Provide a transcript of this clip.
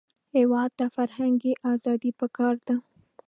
هېواد ته فرهنګي ازادي پکار ده